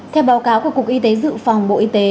theo báo cáo của cục y tế dự phòng bộ y tế